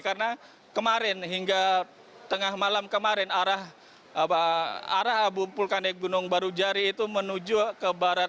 karena kemarin hingga tengah malam kemarin arah abu vulkanik gunung baru jari itu menuju ke barat